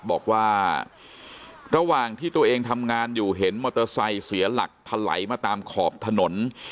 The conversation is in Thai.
บอกว่าระหว่างที่ตัวเองทำงานอยู่เห็นมอเตอร์ไซค์เสียหลักถลายมาตามขอบถนน